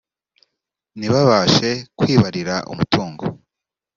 ntibabashe kwibarira umutungo